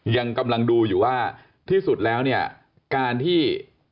ยังกำลังดูอยู่ว่าที่สุดแล้วเนี่ยการที่